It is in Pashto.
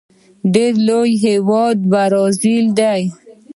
ډیر لوی هیواد یې برازيل دی.